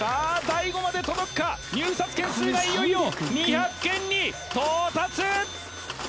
大悟まで届くか入札件数はいよいよ２００件に到達！